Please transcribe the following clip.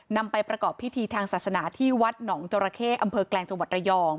นำไปประกอบพิธีทางศาสนาที่วัดหนองจราเข้อำเภอแกลงจังหวัดระยอง